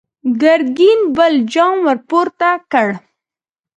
ګرګين بل جام ور پورته کړ!